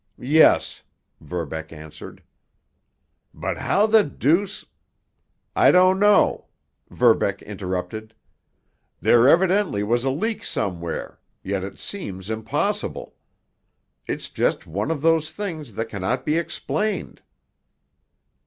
"Yes," Verbeck answered. "But, how the deuce——" "I don't know," Verbeck interrupted. "There evidently was a leak somewhere, yet it seems impossible. It's just one of those things that cannot be explained."